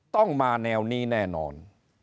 ต้องมาแนวนี้แน่นอน